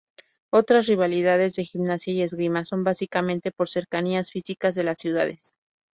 Otras rivalidades de Gimnasia y Esgrima son básicamente por cercanías físicas de las ciudades.